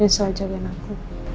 yang selalu jagain aku